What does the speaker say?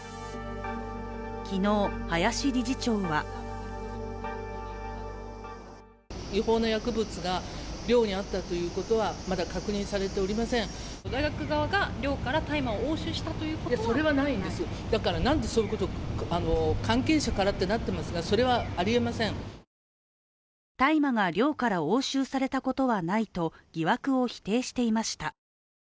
昨日、林理事長は大麻が寮から押収されたことはないと疑惑を否定していました。